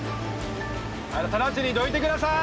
直ちにどいてください！